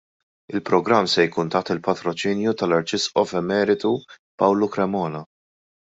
Il-programm se jkun taħt il-patroċinju tal-Arċisqof Emeritu Pawlu Cremona.